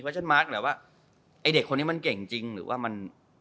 เพื่อนช่วยโน้นนี่นั่น